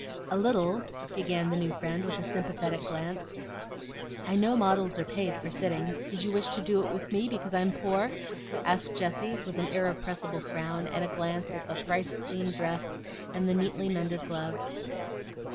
"A little," began the new friend, with a sympathetic glance. "I know models are paid for sitting; did you wish to do it with me because I'm poor?" asked Jessie, with an irrepressible frown and a glance at the thrice cleaned dress and the neatly mended gloves.